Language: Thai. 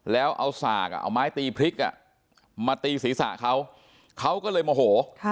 แล้วเอาสากเอาไม้ตีพริกมาตีศีรษะเขาเขาก็เลยโมโห